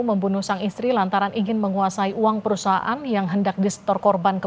suami korban ganda permana bilang pihaknya meyakini pelaku